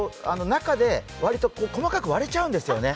中で割と細かく割れちゃうんですよね。